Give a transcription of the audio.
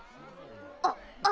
あっあれ！